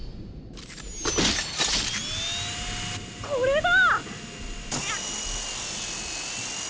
これだ！